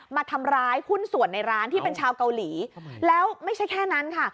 มาทำร้ายหุ้นส่วนในร้านที่เป็นชาวเกาหลีแล้วไม่ใช่แค่นั้นค่ะ